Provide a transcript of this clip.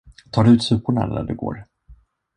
Tar du ut soporna när du går?